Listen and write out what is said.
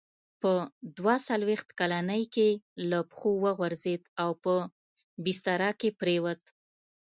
په دوه څلوېښت کلنۍ کې له پښو وغورځېد او په بستره کې پرېووت.